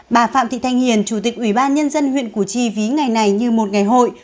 bà phạm thị thanh hiền chủ tịch ủy ban nhân dân huyện củ chi ví ngày này như một ngày hội